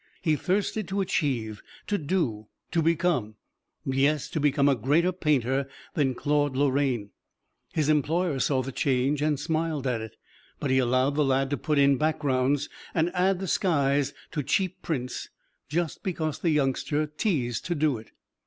He thirsted to achieve, to do, to become yes, to become a greater painter than Claude Lorraine. His employer saw the change and smiled at it, but he allowed the lad to put in backgrounds and add the skies to cheap prints, just because the youngster teased to do it.